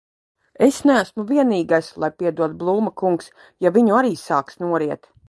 Es neesmu vienīgais, lai piedod Blūma kungs, ja viņu arī sāks noriet.